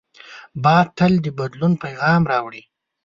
باد تل د بدلونو پیغام راوړي